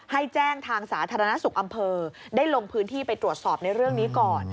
ให้แจ้งทางสาธารณสุขอำเภอได้ลงพื้นที่ไปตรวจสอบในเรื่องนี้ก่อน